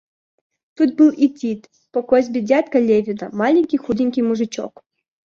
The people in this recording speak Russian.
Тут был и Тит, по косьбе дядька Левина, маленький, худенький мужичок.